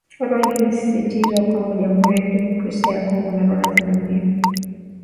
Rwanda inasisitizwa kwamba jamhuri ya kidemokrasia ya Kongo na Rwanda zina mbinu